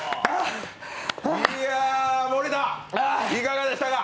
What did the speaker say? いや、森田、いかがでしたか？